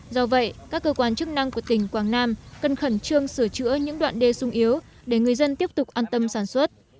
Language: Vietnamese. do vậy các cơ quan chức năng của tỉnh quảng nam cần khẩn trương sửa chữa những đoạn đê sung yếu để người dân tiếp tục an tâm sản xuất